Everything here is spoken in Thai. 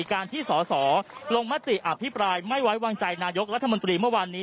การที่สอสอลงมติอภิปรายไม่ไว้วางใจนายกรัฐมนตรีเมื่อวานนี้